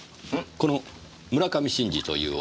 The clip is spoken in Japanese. この村上真治という男